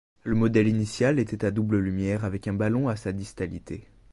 Le modèle initial était à double lumière avec un ballon à sa distalité.